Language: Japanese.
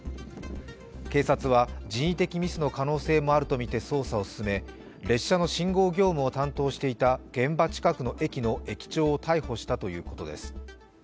警察は人為的ミスの可能性もあるとみて捜査を進め、列車の信号業務を担当していた現場近くの駅の駅長を逮捕したということです。